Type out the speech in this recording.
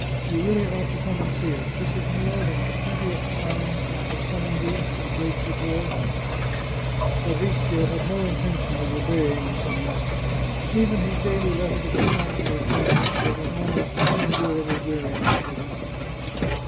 You really ought to come and see us. This is more than the twentieth time that I have summoned you, ungrateful boy !" Fabrizio had no intention of obeying the summons. Even his daily letter to the count or countess was an almost unendurable weariness to him.